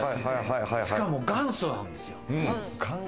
しかも元祖なんですよ。